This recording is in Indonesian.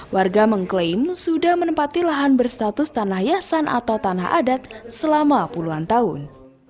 warga mengklaim sudah menempati lahan berstatus tanah yasan atau tanah adat selama puluhan tahun